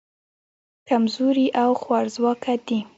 کمزوري او خوارځواکه دي.